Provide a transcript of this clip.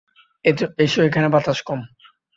এসো, এখানে বাতাস কম।